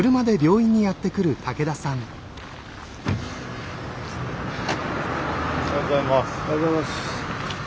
おはようございます。